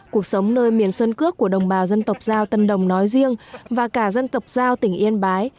cuộc sống nơi miền sơn cước của đồng bào dân tộc giao tân đồng nói riêng và cả dân tộc giao tỉnh yên bái